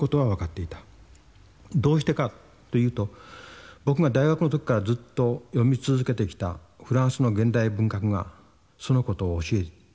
どうしてかというと僕が大学の時からずっと読み続けてきたフランスの現代文学がそのことを教えていたから。